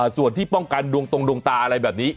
ส่วนที่ป้องกันดวงตรงดวงตาอะไรแบบนี้